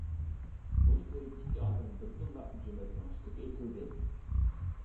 بۇنى كۆرۈپ ئىككى ئادەم بىردىنلا جۈمەكنىڭ ئۈستىگە ئېتىلدى.